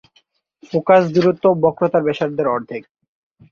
Focus দূরত্ব বক্রতার ব্যাসার্ধের অর্ধেক।